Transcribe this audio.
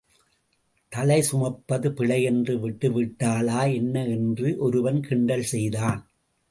தழை சுமப்பது பிழை என்று விட்டுவிட்டாளா என்ன என்று ஒருவன் கிண்டல் செய்தான்.